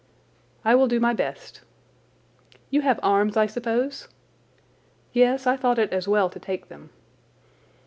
"I will do my best." "You have arms, I suppose?" "Yes, I thought it as well to take them."